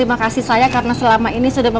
jadi sekarang maunya apa